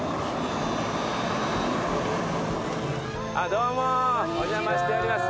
どうもお邪魔しております。